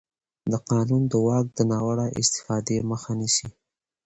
قانون د واک د ناوړه استفادې مخه نیسي.